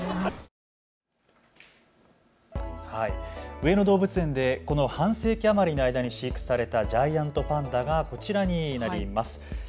上野動物園でこの半世紀余りの間に飼育されたジャイアントパンダがこちらになります。